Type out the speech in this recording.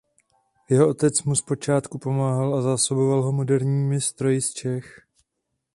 Jeho otec mu zpočátku pomáhal a zásoboval ho moderními stroji z Čech.